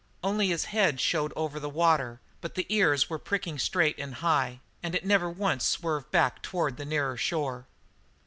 Only his head showed over the water, but the ears were pricking straight and high, and it never once swerved back toward the nearer shore.